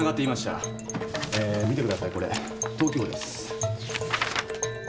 えー見てくださいこれ。登記簿です。